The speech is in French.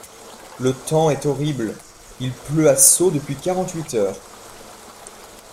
Le temps est horrible, il pleut à seaux depuis quarante-huit heures.